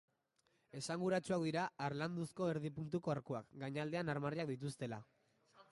Esanguratsuak dira harlanduzko erdi-puntuko arkuak, gainaldean armarriak dituztela.